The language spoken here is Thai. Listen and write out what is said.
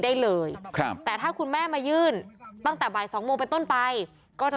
ได้เลยครับแต่ถ้าคุณแม่มายื่นตั้งแต่บ่ายสองโมงเป็นต้นไปก็จะ